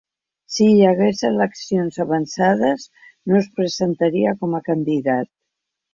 Si hi hagués eleccions avançades, no es presentaria com a candidat.